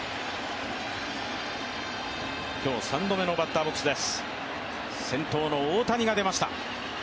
今日、３度目のバッターボックスです、先頭の大谷が出ました。